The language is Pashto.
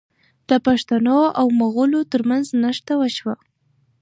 د پښتنو او مغلو ترمنځ نښته وشوه.